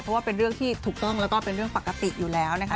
เพราะว่าเป็นเรื่องที่ถูกต้องแล้วก็เป็นเรื่องปกติอยู่แล้วนะคะ